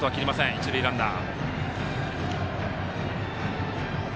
一塁ランナー。